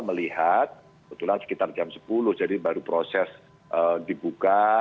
melihat kebetulan sekitar jam sepuluh jadi baru proses dibuka